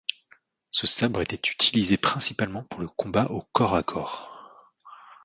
Ce sabre était utilisé principalement pour le combat au corps à corps.